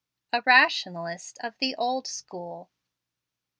A RATIONALIST OF THE OLD SCHOOL.